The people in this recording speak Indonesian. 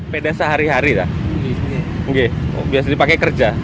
pedas sehari hari biasanya dipakai kerja